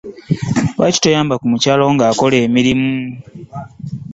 Lwaki toyamba ku mukyala wo ng'akola emirimu?